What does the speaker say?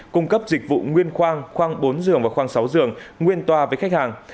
cung cấp dịch vụ nguyên khoang khoảng bốn giường và khoang sáu giường nguyên toa với khách hàng